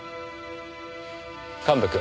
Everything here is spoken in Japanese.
神戸君。